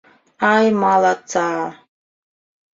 Ай, малатса!